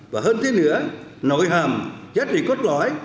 và hơn thế nữa nội hàm giá trị cốt lõi